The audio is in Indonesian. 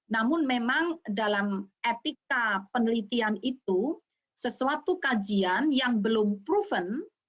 namun memang dalam etika penelitian itu sesuatu kajian yang belum proven